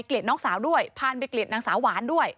เกลียดน้องสาวด้วยพานไปเกลียดนางสาวหวานด้วย